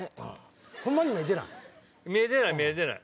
ホンマに見えてない？